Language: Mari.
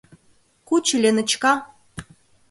— Кучо, Леночка!